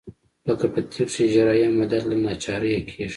لکه په طب کښې چې جراحي عمليات له ناچارۍ کېږي.